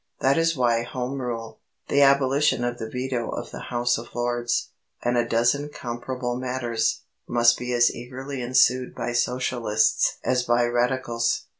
That is why Home Rule, the abolition of the veto of the House of Lords, and a dozen comparable matters, must be as eagerly ensued by Socialists as by Radicals.